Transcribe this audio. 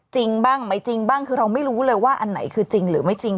จริงบ้างไม่จริงบ้างคือเราไม่รู้เลยว่าอันไหนคือจริงหรือไม่จริง